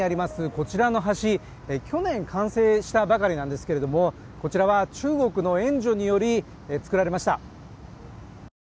こちらの橋、去年完成したばかりなんですがこちらは中国の援助により、作られました。